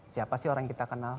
siapa sih orang yang kita kenal